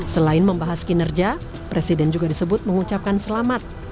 selain membahas kinerja presiden juga disebut mengucapkan selamat